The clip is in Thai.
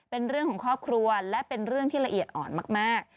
เป็นเรื่องของครอบครัวและเป็นเรื่องที่ละเอียดอ่อนมาก